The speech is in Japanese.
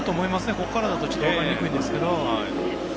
ここからだと分かりにくいんですけど。